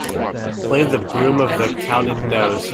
Play the Broom Of The Cowdenknowes.